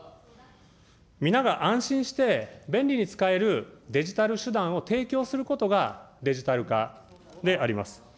皆が安心して、便利に使えるデジタル手段を提供することがデジタル化であります。